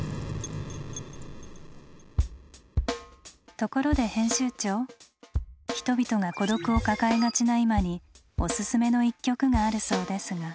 ところで編集長人々が孤独を抱えがちな今におすすめの１曲があるそうですが。